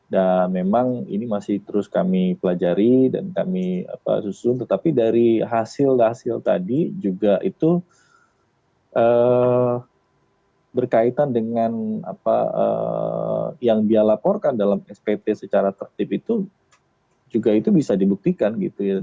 dan memang ini masih terus kami pelajari dan kami susun tetapi dari hasil hasil tadi juga itu berkaitan dengan apa yang dia laporkan dalam spt secara tertentu itu juga itu bisa dibuktikan gitu ya